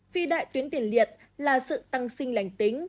phi đại tuyến tiền liệt là sự tăng sinh lành tính